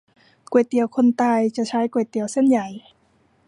ก๋วยเตี๋ยวคนตาย จะใช้ก๋วยเตี๋ยวเส้นใหญ่